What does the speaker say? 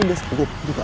udah sepedet juga